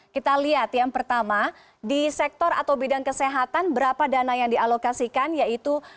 kita lihat yang pertama di sektor atau bidang kesehatan berapa dana yang dialokasikan yaitu